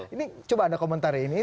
ini coba ada komentar ya